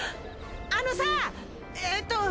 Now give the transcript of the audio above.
あのさえっと。